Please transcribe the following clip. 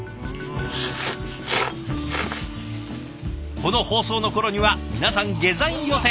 この放送の頃には皆さん下山予定。